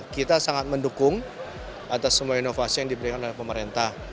kita sangat mendukung atas semua inovasi yang diberikan oleh pemerintah